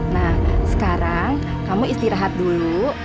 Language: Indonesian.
nah sekarang kamu istirahat dulu